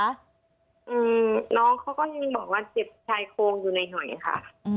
อืมน้องเขาก็ยังบอกว่าเจ็บชายโครงอยู่ในหอยค่ะ